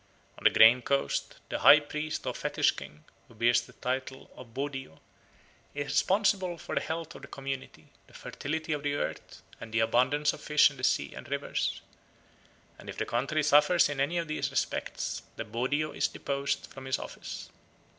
On the Grain Coast the high priest or fetish king, who bears the title of Bodio, is responsible for the health of the community, the fertility of the earth, and the abundance of fish in the sea and rivers; and if the country suffers in any of these respects the Bodio is deposed from his office.